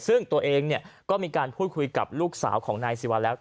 ซึ่งตัวเองก็มีการพูดคุยกับลูกสาวของนายศิวาแล้ว